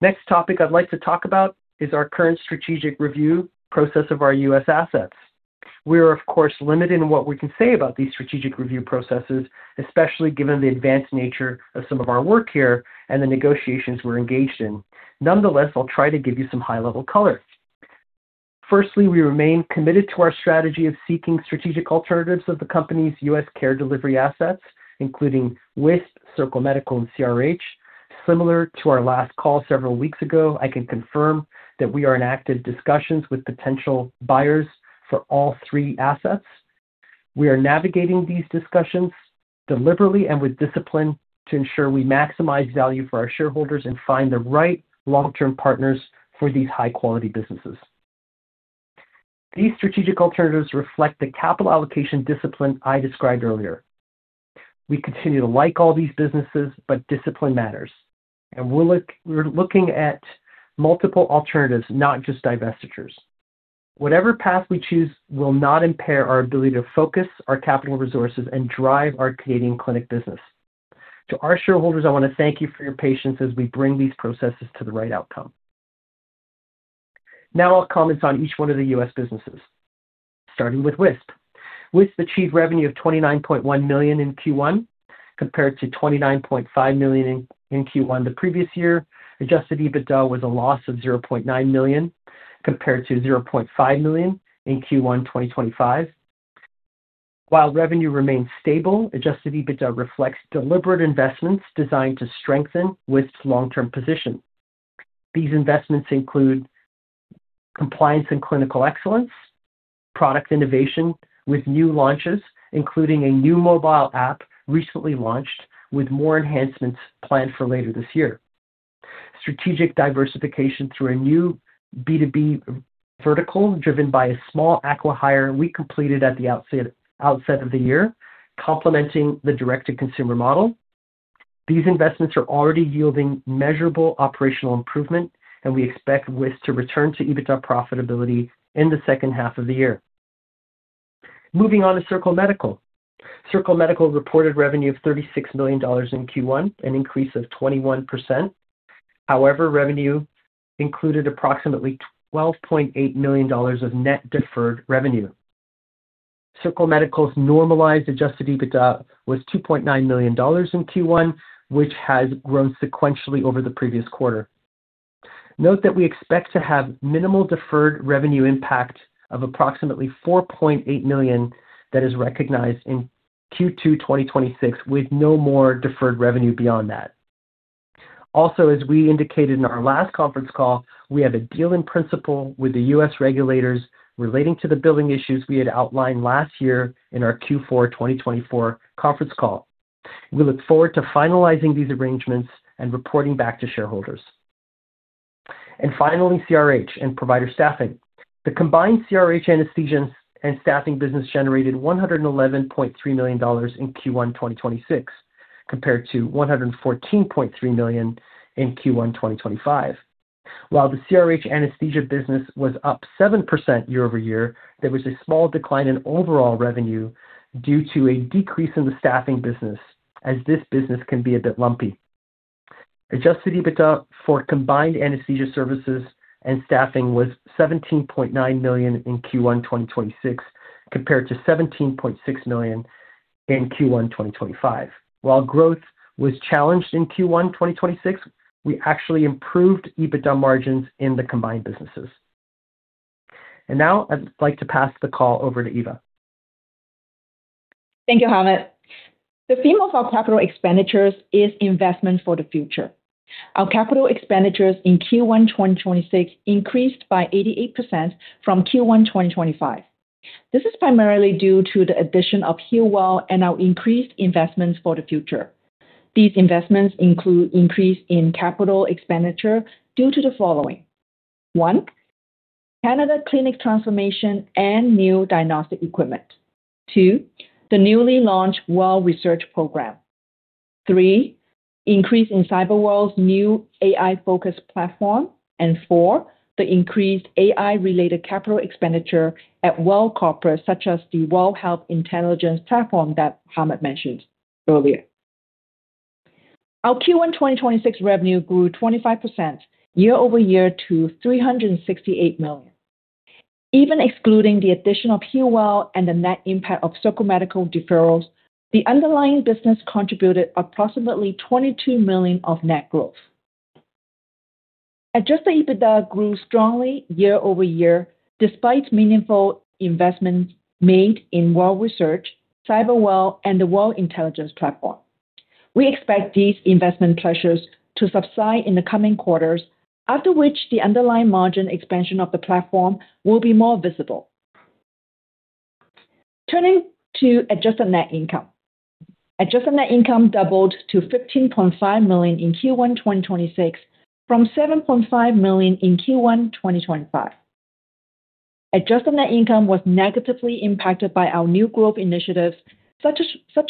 Next topic I'd like to talk about is our current strategic review process of our U.S. assets. We are, of course, limited in what we can say about these strategic review processes, especially given the advanced nature of some of our work here and the negotiations we're engaged in. Nonetheless, I'll try to give you some high-level color. Firstly, we remain committed to our strategy of seeking strategic alternatives of the company's U.S. care delivery assets, including with Circle Medical and CRH. Similar to our last call several weeks ago, I can confirm that we are in active discussions with potential buyers for all three assets. We are navigating these discussions deliberately and with discipline to ensure we maximize value for our shareholders and find the right long-term partners for these high-quality businesses. These strategic alternatives reflect the capital allocation discipline I described earlier. We continue to like all these businesses, discipline matters. We're looking at multiple alternatives, not just divestitures. Whatever path we choose will not impair our ability to focus our capital resources and drive our Canadian clinic business. To our shareholders, I want to thank you for your patience as we bring these processes to the right outcome. Now I'll comment on each one of the U.S. businesses, starting with Wisp. Wisp achieved revenue of $29.1 million in Q1 compared to $29.5 million in Q1 the previous year. Adjusted EBITDA was a loss of 0.9 million compared to 0.5 million in Q1 2025. While revenue remains stable, Adjusted EBITDA reflects deliberate investments designed to strengthen Wisp's long-term position. These investments include compliance and clinical excellence, product innovation with new launches, including a new mobile app recently launched with more enhancements planned for later this year. Strategic diversification through a new B2B vertical driven by a small acqui-hire we completed at the outset of the year, complementing the direct-to-consumer model. These investments are already yielding measurable operational improvement, and we expect Wisp to return to EBITDA profitability in the second half of the year. Moving on to Circle Medical. Circle Medical reported revenue of CAD 36 million in Q1, an increase of 21%. Revenue included approximately 12.8 million dollars of net deferred revenue. Circle Medical's normalized Adjusted EBITDA was $2.9 million in Q1, which has grown sequentially over the previous quarter. Note that we expect to have minimal deferred revenue impact of approximately $4.8 million that is recognized in Q2 2026, with no more deferred revenue beyond that. As we indicated in our last conference call, we have a deal in principle with the U.S. regulators relating to the billing issues we had outlined last year in our Q4 2024 conference call. We look forward to finalizing these arrangements and reporting back to shareholders. Finally, CRH and provider staffing. The combined CRH anesthesia and staffing business generated $111.3 million in Q1 2026, compared to $114.3 million in Q1 2025. While the CRH anesthesia business was up 7% year-over-year, there was a small decline in overall revenue due to a decrease in the staffing business, as this business can be a bit lumpy. Adjusted EBITDA for combined anesthesia services and staffing was 17.9 million in Q1 2026, compared to 17.6 million in Q1 2025. While growth was challenged in Q1 2026, we actually improved EBITDA margins in the combined businesses. Now I'd like to pass the call over to Eva. Thank you, Hamed. The theme of our capital expenditures is investment for the future. Our capital expenditures in Q1 2026 increased by 88% from Q1 2025. This is primarily due to the addition of HEALWELL and our increased investments for the future. These investments include increase in capital expenditure due to the following. One. Canada clinic transformation and new diagnostic equipment. Two. The newly launched WELL Research program. Three. Increase in Cyberwell's new AI-focused platform. And four. The increased AI-related capital expenditure at WELL Corporate, such as the WELL Health Intelligence Platform that Hamed mentioned earlier. Our Q1 2026 revenue grew 25% year-over-year to 368 million. Even excluding the addition of HEALWELL and the net impact of Circle Medical deferrals, the underlying business contributed approximately 22 million of net growth. Adjusted EBITDA grew strongly year-over-year despite meaningful investments made in WELL Research, Cyberwell, and the WELL Intelligence Platform. We expect these investment pressures to subside in the coming quarters, after which the underlying margin expansion of the platform will be more visible. Turning to adjusted net income. Adjusted net income doubled to 15.5 million in Q1 2026 from 7.5 million in Q1 2025. Adjusted net income was negatively impacted by our new group initiatives such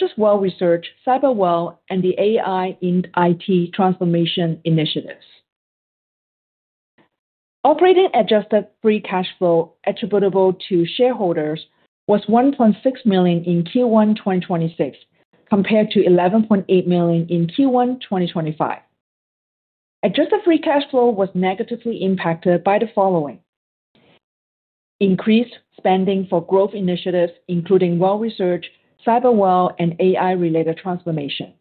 as WELL Research, Cyberwell, and the AI-related transformation initiatives. Operating adjusted free cash flow attributable to shareholders was 1.6 million in Q1 2026 compared to 11.8 million in Q1 2025. Adjusted free cash flow was negatively impacted by the following: increased spending for growth initiatives, including WELL Research, Cyberwell, and AI-related transformation.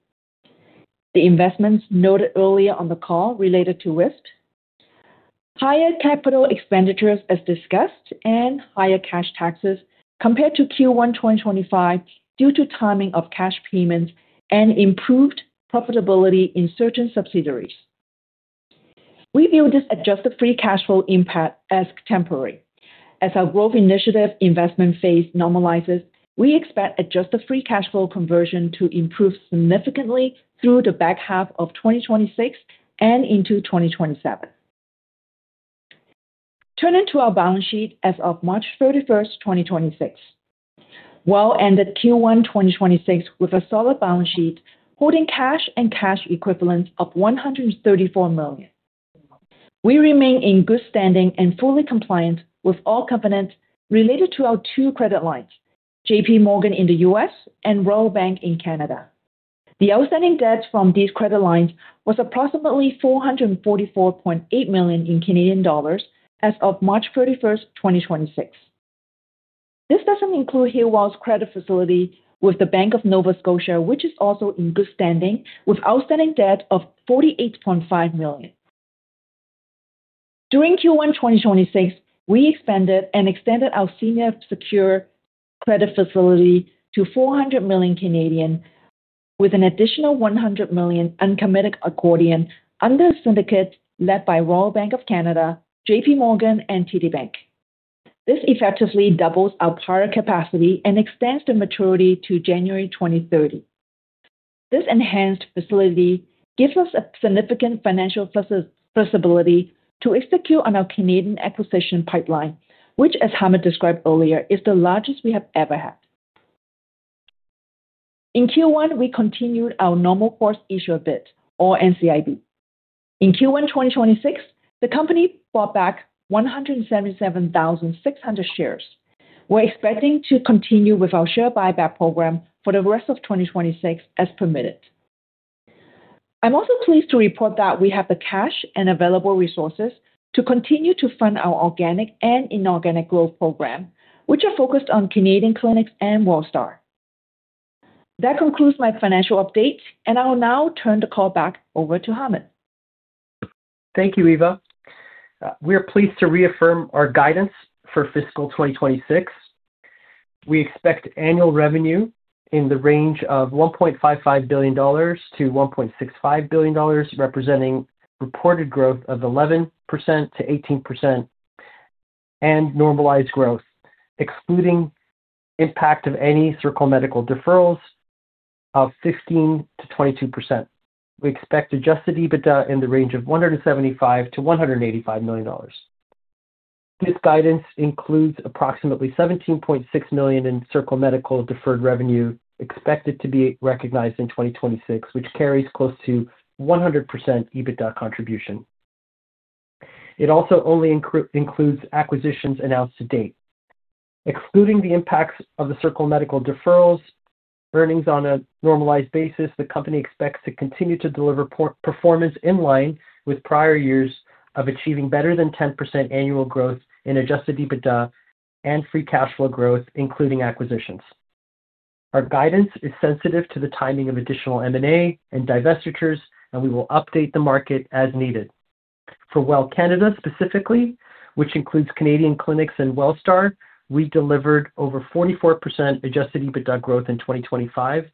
The investments noted earlier on the call related to risk. Higher capital expenditures as discussed, and higher cash taxes compared to Q1 2025 due to timing of cash payments and improved profitability in certain subsidiaries. We view this adjusted free cash flow impact as temporary. As our growth initiative investment phase normalizes, we expect adjusted free cash flow conversion to improve significantly through the back half of 2026 and into 2027. Turning to our balance sheet as of March 31st, 2026. WELL ended Q1 2026 with a solid balance sheet, holding cash and cash equivalents of 134 million. We remain in good standing and fully compliant with all covenants related to our two credit lines, JP Morgan in the U.S. and Royal Bank in Canada. The outstanding debt from these credit lines was approximately 444.8 million as of March 31, 2026. This doesn't include HEALWELL AI's credit facility with the Bank of Nova Scotia, which is also in good standing with outstanding debt of 48.5 million. During Q1 2026, we expanded and extended our senior secure credit facility to 400 million with an additional 100 million uncommitted accordion under a syndicate led by Royal Bank of Canada, J.P. Morgan, and TD Bank. This effectively doubles our current capacity and extends the maturity to January 2030. This enhanced facility gives us a significant financial flexibility to execute on our Canadian acquisition pipeline, which as Hamed described earlier, is the largest we have ever had. In Q1, we continued our normal course issuer bid or NCIB. In Q1 2026, the company bought back 177,600 shares. We're expecting to continue with our share buyback program for the rest of 2026 as permitted. I'm also pleased to report that we have the cash and available resources to continue to fund our organic and inorganic growth program, which are focused on Canadian clinics and WELLSTAR. That concludes my financial update, and I will now turn the call back over to Hamed. Thank you, Eva. We are pleased to reaffirm our guidance for fiscal 2026. We expect annual revenue in the range of 1.55 billion-1.65 billion dollars, representing reported growth of 11%-18% and normalized growth, excluding impact of any Circle Medical deferrals of 16%-22%. We expect Adjusted EBITDA in the range of 175 million-185 million dollars. This guidance includes approximately 17.6 million in Circle Medical deferred revenue expected to be recognized in 2026, which carries close to 100% EBITDA contribution. It also only includes acquisitions announced to date. Excluding the impacts of the Circle Medical deferrals, earnings on a normalized basis, the company expects to continue to deliver performance in line with prior years of achieving better than 10% annual growth in Adjusted EBITDA and free cash flow growth, including acquisitions. Our guidance is sensitive to the timing of additional M&A and divestitures. We will update the market as needed. For WELL Canada specifically, which includes Canadian clinics and WELLSTAR, we delivered over 44% Adjusted EBITDA growth in 2025.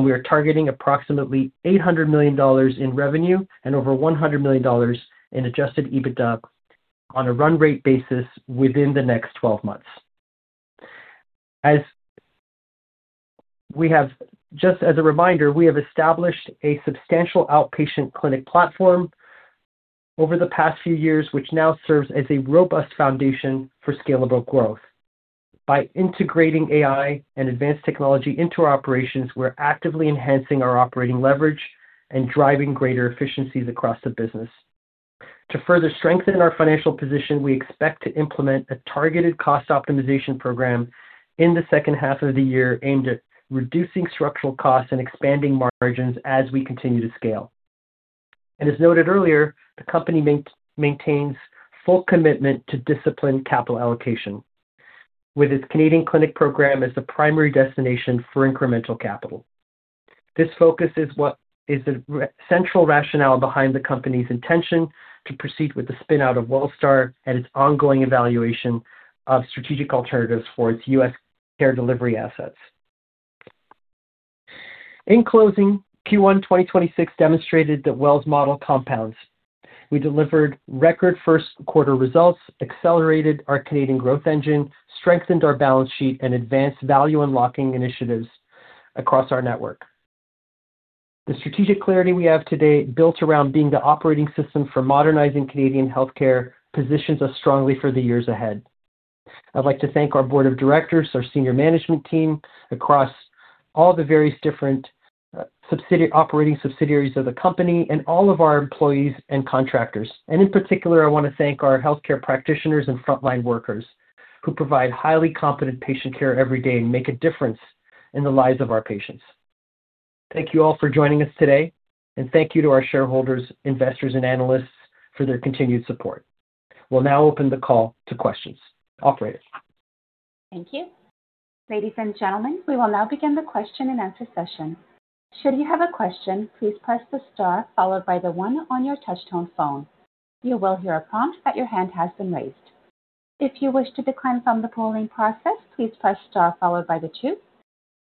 We are targeting approximately 800 million dollars in revenue and over 100 million dollars in Adjusted EBITDA on a run rate basis within the next 12 months. Just as a reminder, we have established a substantial outpatient clinic platform over the past few years, which now serves as a robust foundation for scalable growth. By integrating AI and advanced technology into our operations, we're actively enhancing our operating leverage and driving greater efficiencies across the business. To further strengthen our financial position, we expect to implement a targeted cost optimization program in the second half of the year aimed at reducing structural costs and expanding margins as we continue to scale. As noted earlier, the company maintains full commitment to disciplined capital allocation, with its Canadian clinic program as the primary destination for incremental capital. This focus is what is the central rationale behind the company's intention to proceed with the spin-out of WELLSTAR and its ongoing evaluation of strategic alternatives for its U.S. care delivery assets. In closing, Q1 2026 demonstrated that WELL's model compounds. We delivered record first quarter results, accelerated our Canadian growth engine, strengthened our balance sheet, and advanced value unlocking initiatives across our network. The strategic clarity we have today built around being the operating system for modernizing Canadian healthcare positions us strongly for the years ahead. I'd like to thank our board of directors, our senior management team across all the various different operating subsidiaries of the company and all of our employees and contractors. In particular, I wanna thank our healthcare practitioners and frontline workers who provide highly competent patient care every day and make a difference in the lives of our patients. Thank you all for joining us today, thank you to our shareholders, investors, and analysts for their continued support. We'll now open the call to questions. Operator? Thank you.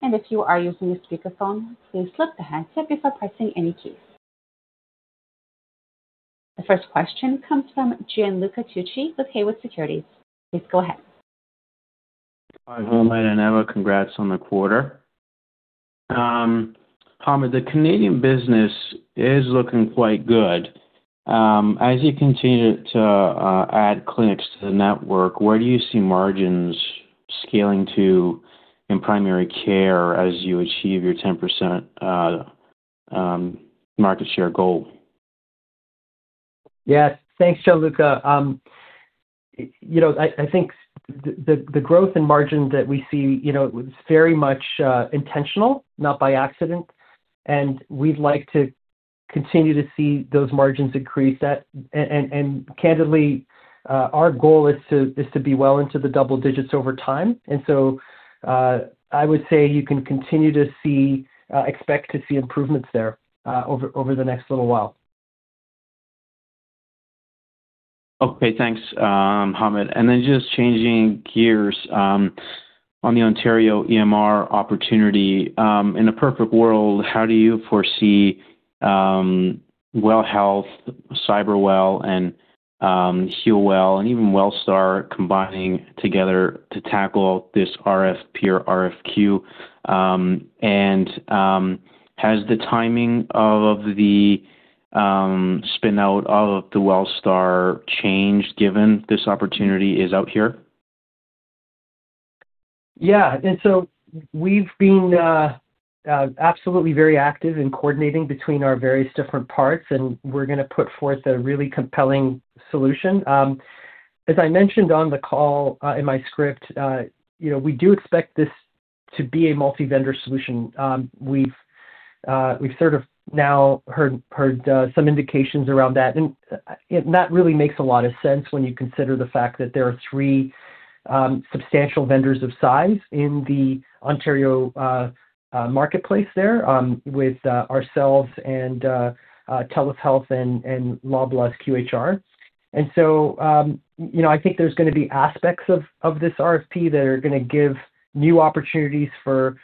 The first question comes from Gianluca Tucci with Haywood Securities. Please go ahead. Hi, Hamed and Eva. Congrats on the quarter. Hamed, the Canadian business is looking quite good. As you continue to add clinics to the network, where do you see margins scaling to in primary care as you achieve your 10% market share goal? Yeah. Thanks, Gianluca. You know, I think the growth in margins that we see, you know, it was very much intentional, not by accident, and we'd like to continue to see those margins increase. Candidly, our goal is to be well into the double digits over time. I would say you can continue to see, expect to see improvements there over the next little while. Okay. Thanks, Hamed. Just changing gears, on the Ontario EMR opportunity. In a perfect world, how do you foresee, WELL Health, Cyberwell and, HEALWELL and even WELLSTAR combining together to tackle this RFP or RFQ? Has the timing of the, spin out of the WELLSTAR changed given this opportunity is out here? We've been absolutely very active in coordinating between our various different parts, and we're gonna put forth a really compelling solution. As I mentioned on the call, in my script, you know, we do expect this to be a multi-vendor solution. We've sort of now heard some indications around that. And that really makes a lot of sense when you consider the fact that there are three substantial vendors of size in the Ontario marketplace there, with ourselves and TELUS Health and Loblaw's QHR. You know, I think there's gonna be aspects of this RFP that are gonna give new opportunities for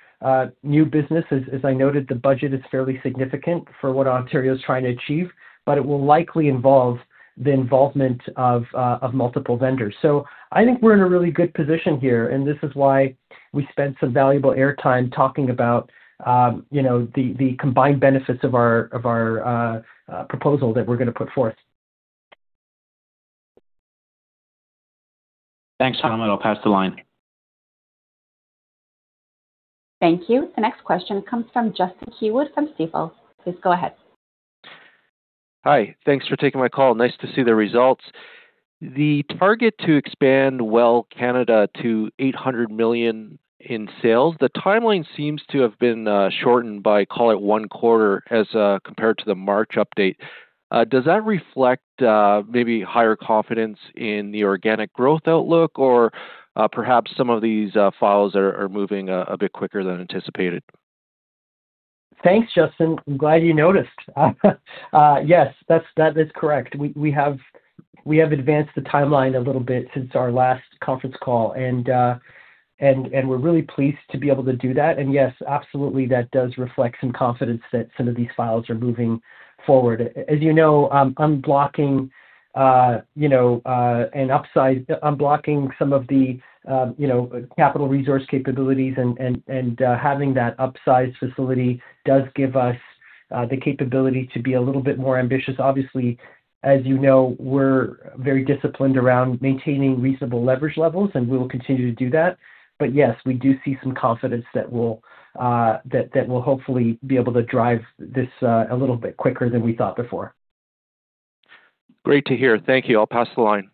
new business. As I noted, the budget is fairly significant for what Ontario is trying to achieve, but it will likely involve the involvement of multiple vendors. I think we're in a really good position here, and this is why we spent some valuable airtime talking about, you know, the combined benefits of our proposal that we're gonna put forth. Thanks, Hamed. I'll pass the line. Thank you. The next question comes from Justin Keywood from Stifel. Please go ahead. Hi. Thanks for taking my call. Nice to see the results. The target to expand WELL Canada to 800 million in sales, the timeline seems to have been shortened by, call it one quarter as compared to the March update. Does that reflect maybe higher confidence in the organic growth outlook or perhaps some of these files are moving a bit quicker than anticipated? Thanks, Justin. I'm glad you noticed. Yes, that is correct. We have advanced the timeline a little bit since our last conference call, and we're really pleased to be able to do that. Yes, absolutely that does reflect some confidence that some of these files are moving forward. As you know, unblocking, you know, Unblocking some of the, you know, capital resource capabilities and having that upsize facility does give us the capability to be a little bit more ambitious. Obviously, as you know, we're very disciplined around maintaining reasonable leverage levels, and we will continue to do that. Yes, we do see some confidence that we'll that will hopefully be able to drive this a little bit quicker than we thought before. Great to hear. Thank you. I'll pass the line.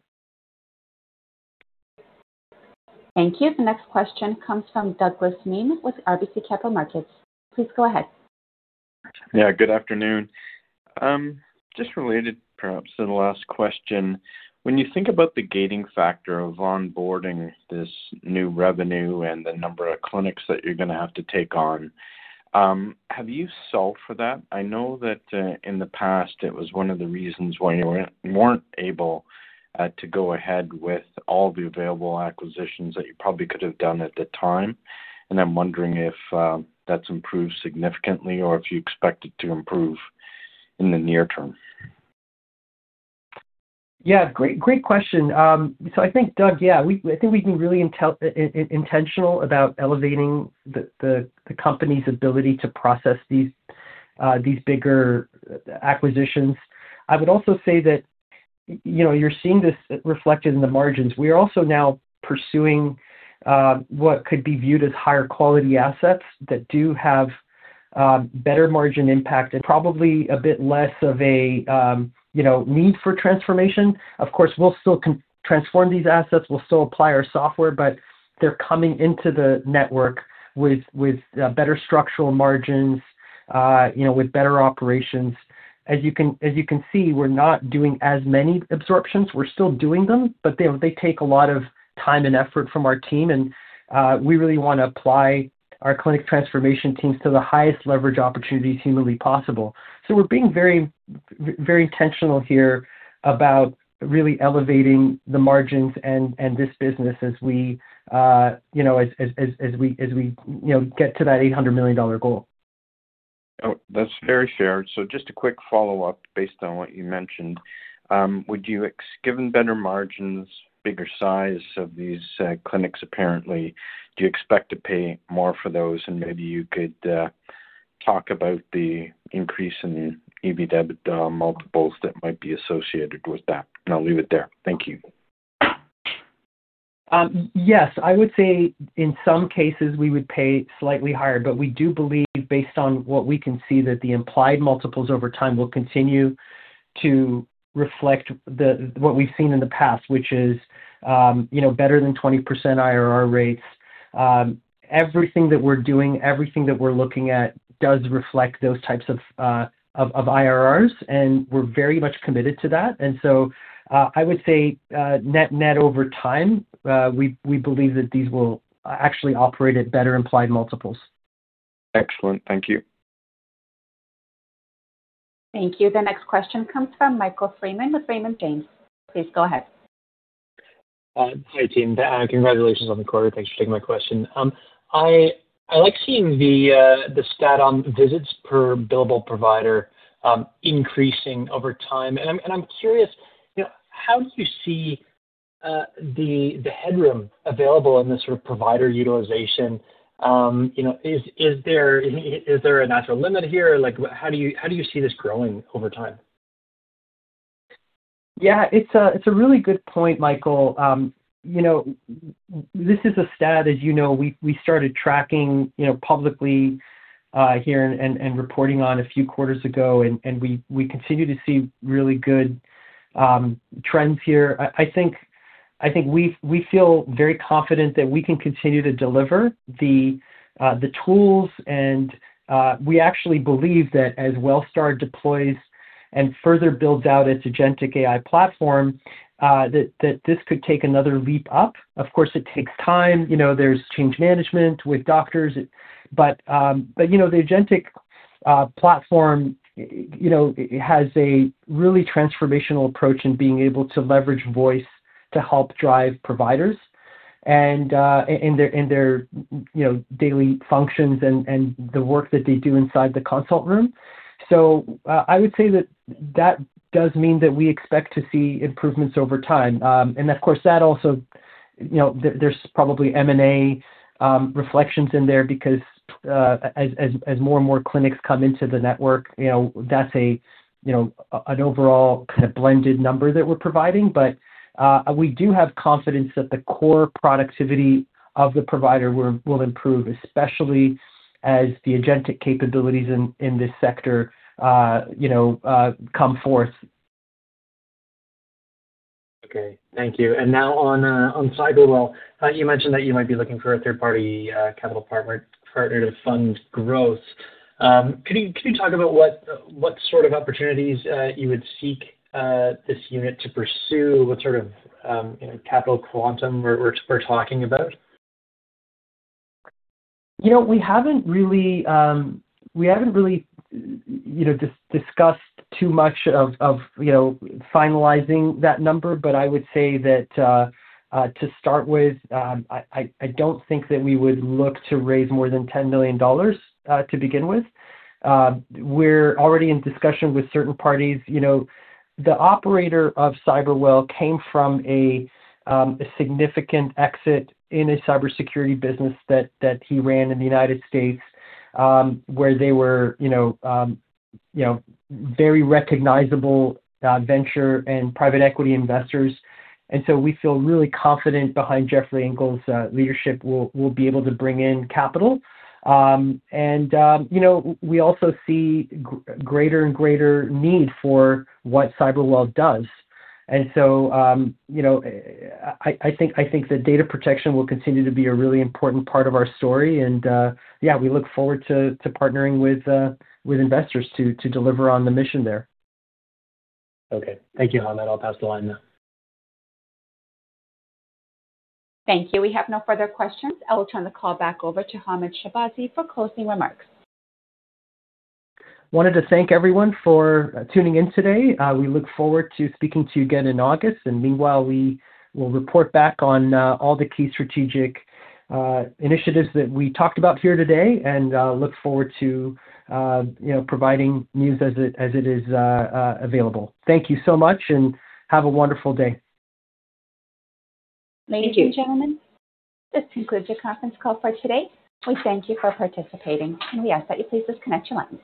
Thank you. The next question comes from Douglas Miehm with RBC Capital Markets. Please go ahead. Yeah, good afternoon. Just related perhaps to the last question. When you think about the gating factor of onboarding this new revenue and the number of clinics that you're gonna have to take on, have you solved for that? I know that in the past, it was one of the reasons why you weren't able to go ahead with all the available acquisitions that you probably could have done at the time. I'm wondering if that's improved significantly or if you expect it to improve in the near term. Yeah. Great, great question. I think, Doug, we, I think we've been really intentional about elevating the company's ability to process these bigger acquisitions. I would also say that, you know, you're seeing this reflected in the margins. We are also now pursuing what could be viewed as higher quality assets that do have better margin impact and probably a bit less of a, you know, need for transformation. Of course, we'll still transform these assets, we'll still apply our software, but they're coming into the network with better structural margins, you know, with better operations. As you can see, we're not doing as many absorptions. We're still doing them, but they take a lot of time and effort from our team and we really wanna apply our clinic transformation teams to the highest leverage opportunity humanly possible. We're being very intentional here about really elevating the margins and this business as we, you know, get to that 800 million dollar goal. Oh, that's very shared. Just a quick follow-up based on what you mentioned. Would you given better margins, bigger size of these clinics, apparently, do you expect to pay more for those? Maybe you could talk about the increase in the EBITDA multiples that might be associated with that. I'll leave it there. Thank you. Yes. I would say in some cases, we would pay slightly higher, but we do believe based on what we can see that the implied multiples over time will continue to reflect the, what we've seen in the past, which is, you know, better than 20% IRR rates. Everything that we're doing, everything that we're looking at does reflect those types of IRRs, and we're very much committed to that. I would say, net-net over time, we believe that these will actually operate at better implied multiples. Excellent. Thank you. Thank you. The next question comes from Michael Freeman with Raymond James. Please go ahead. Hi, team. Congratulations on the quarter. Thanks for taking my question. I like seeing the stat on visits per billable provider increasing over time. I'm curious, you know, how do you see the headroom available in this sort of provider utilization? You know, is there any natural limit here? Like, how do you see this growing over time? Yeah. It's a really good point, Michael. You know, this is a stat, as you know, we started tracking, you know, publicly here and reporting on a few quarters ago, and we continue to see really good trends here. I think we feel very confident that we can continue to deliver the tools and we actually believe that as WELLSTAR deploys and further builds out its agentic AI platform, that this could take another leap up. Of course, it takes time. You know, there's change management with doctors. You know, the agentic platform, you know, has a really transformational approach in being able to leverage voice to help drive providers and in their, in their, you know, daily functions and the work that they do inside the consult room. I would say that that does mean that we expect to see improvements over time. Of course, that also, you know, there's probably M&A reflections in there because as more and more clinics come into the network, you know, that's a, you know, an overall kind of blended number that we're providing. We do have confidence that the core productivity of the provider will improve, especially as the agentic capabilities in this sector, you know, come forth. Okay. Thank you. Now on Cyberwell. You mentioned that you might be looking for a third-party capital partner to fund growth. Could you talk about what sort of opportunities you would seek this unit to pursue? What sort of, you know, capital quantum we're talking about? You know, we haven't really, you know, discussed too much of, you know, finalizing that number. I would say that to start with, I don't think that we would look to raise more than 10 million dollars to begin with. We're already in discussion with certain parties. You know, the operator of Cyberwell came from a significant exit in a cybersecurity business that he ran in the United States, where they were, you know, very recognizable venture and private equity investors. So we feel really confident behind Jeffrey Engle's leadership. We'll be able to bring in capital. And, you know, we also see greater and greater need for what Cyberwell does. You know, I think that data protection will continue to be a really important part of our story. We look forward to partnering with investors to deliver on the mission there. Okay. Thank you, Hamed. I'll pass the line now. Thank you. We have no further questions. I will turn the call back over to Hamed Shahbazi for closing remarks. Wanted to thank everyone for tuning in today. We look forward to speaking to you again in August. Meanwhile, we will report back on all the key strategic initiatives that we talked about here today and look forward to, you know, providing news as it, as it is available. Thank you so much, and have a wonderful day. Ladies and gentlemen, this concludes your conference call for today. We thank you for participating, and we ask that you please disconnect your lines.